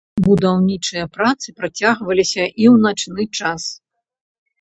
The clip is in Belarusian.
Будаўнічыя працы працягваліся і ў начны час.